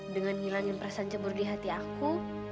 dengan ngilangin perasaan cemburu di hati aku